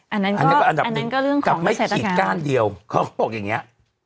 อันดับนึงกลับไม่กี่ก้านเดียวเขาก็บอกอย่างเนี้ย